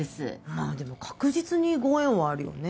まあでも確実にご縁はあるよね